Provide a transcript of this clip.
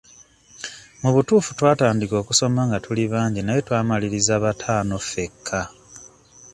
Mu butuufu twatandika okusoma nga tuli bangi naye twamaliriza bataano ffekka.